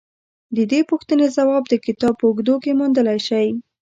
د دې پوښتنې ځواب د کتاب په اوږدو کې موندلای شئ